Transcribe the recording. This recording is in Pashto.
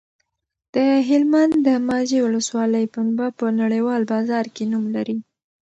د هلمند د مارجې ولسوالۍ پنبه په نړیوال بازار کې نوم لري.